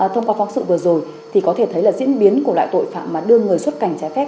thông qua phóng sự vừa rồi thì có thể thấy là diễn biến của loại tội phạm mà đưa người xuất cảnh trái phép